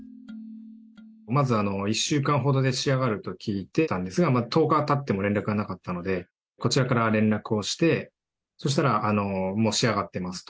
まず、１週間ほどで仕上がると聞いてたんですが、１０日たっても連絡がなかったので、こちらから連絡をして、そしたら、もう仕上がってますと。